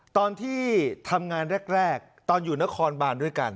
ตอนที่ทำงานแรกตอนอยู่นครบานด้วยกัน